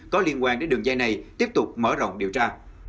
có liên quan đến đường dây này tiếp tục mở rộng điều tra